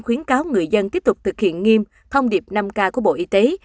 khuyến cáo người dân tiếp tục thực hiện nghiêm thông điệp năm k của bộ y tế